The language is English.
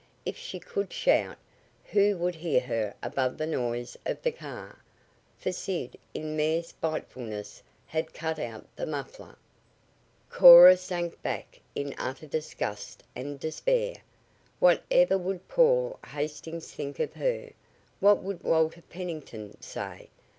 If she should shout, who would hear her above the noise of the car? For Sid in mere spitefulness had cut out the muffler. Cora sank back in utter disgust and despair. What ever would Paul Hastings think of her? What would Walter Pennington say?